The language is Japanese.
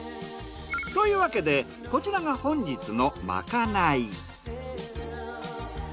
というわけでこちらが本日のまかない。